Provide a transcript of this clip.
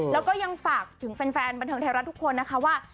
แล้วก็ยังฝากถึงแฟนบันเทิงไทยรัฐทุกคนนะคะว่า